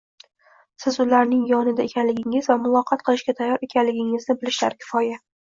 siz ularning yonida ekanligingiz va muloqot qilishga tayyor ekanligingizni bilishlari kifoya.